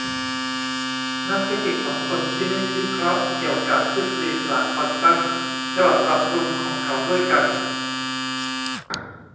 นักฟิสิกส์สองคนพินิจพิเคราะห์เกี่ยวกับทฤษฎีสนามควอนตัมฉบับปรับปรุงของเขาด้วยกัน